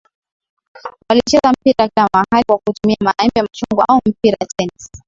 walicheza mpira kila mahali kwa kutumia maembe machungwa au mipira ya tennis